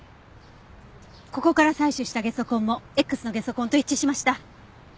ここから採取したゲソ痕もＸのゲソ痕と一致しました。